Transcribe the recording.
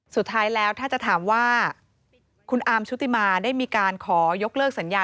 สุดท้ายแล้วถ้าจะถามว่าคุณอาร์มชุติมาได้มีการขอยกเลิกสัญญา